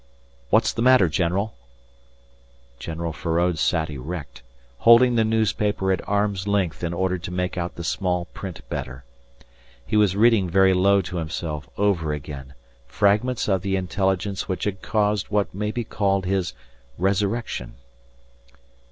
"What's the matter, general?" General Feraud sat erect, holding the newspaper at arm's length in order to make out the small print better. He was reading very low to himself over again fragments of the intelligence which had caused what may be called his resurrection.